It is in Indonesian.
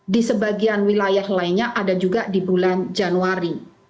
di sebagian wilayah lainnya ada juga di bulan januari